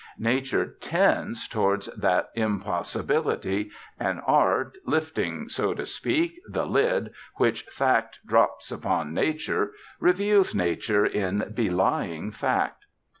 Nature tends towards that impossibility, and art, lifting, so to speak, the lid which fact drops upon nature, reveals nature in belying fact.